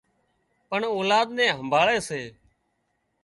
پڻ اولاد نين همڀاۯي سي